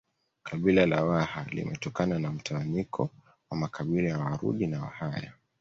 Kabila la Waha limetokana na mtawanyiko wa makabila ya Warundi na Wahaya